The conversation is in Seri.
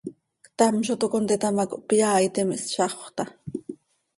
Ctam zo toc contita ma, cohpyaaitim, ihszaxö taa.